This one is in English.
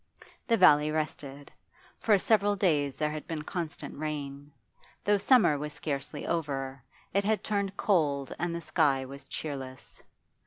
The valley rested. For several days there had been constant rain; though summer was scarcely over, it had turned cold and the sky was cheerless.